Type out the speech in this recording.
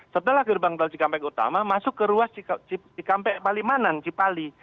setelah gerbang tol cikampek utama masuk ke ruas cikampek palimanan cipali